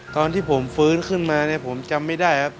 ตอนที่ผมฟื้นขึ้นมาเนี่ยผมจำไม่ได้ครับ